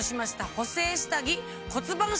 補整下着。